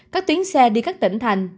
các tuyến xe đi các tỉnh thành